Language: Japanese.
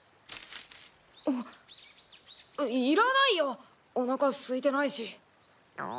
いらないよおなか空いてないし。